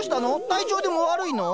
体調でも悪いの？